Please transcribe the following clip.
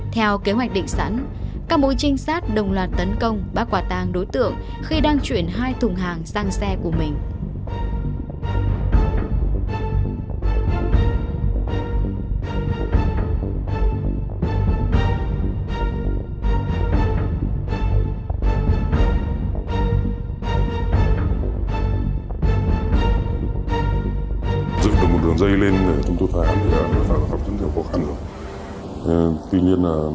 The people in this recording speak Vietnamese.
theo kế hoạch định sẵn các mối trinh sát đồng loạt tấn công bác quả tàng đối tượng khi đang chuyển hai thùng hàng sang xe của mình